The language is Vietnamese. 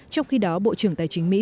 trong khi đó bộ trưởng tài chính mỹ